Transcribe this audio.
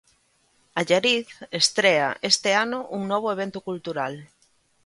Allariz estrea este ano un novo evento cultural.